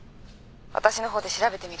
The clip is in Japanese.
私の方で調べてみる。